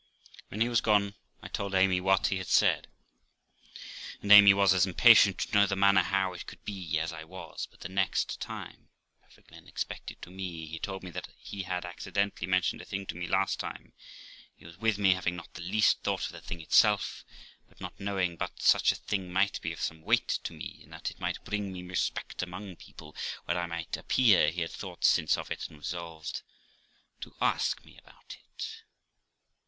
When he was gone I told Amy what he had said, and Amy was as impatient to know the manner how it could be as I was; but the next time (perfectly unexpected to me) he told me that he had accidentally mentioned a thing to me last time he was with me, having not the least thought of the thing itself; but not knowing but such a thing might be of some weight to me, and that it might bring me respect among people where I might appear, he had thought since of it, and was resolved to ask me about it.